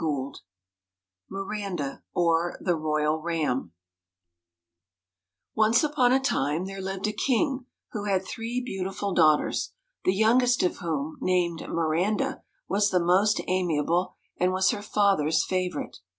logu ' Don 149 MIRANDA; OR, THE ROYAL RAM MIRANDA ||i^j^^pj]NCE upon a time there lived a king who had three beautiful daughters, the youngest of whom, named Miranda, was the most amiable, and was her father's favourite.